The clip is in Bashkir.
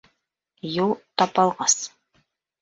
Юл тапалғас: